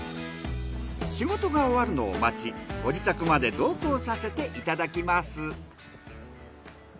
仕事が終わるのを待ちご自宅まで同行させていただきます。